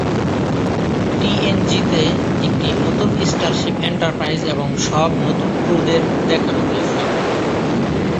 টিএনজি-তে একটি নতুন starship Enterprise এবং সব নতুন ক্রুদের দেখানো হয়েছে।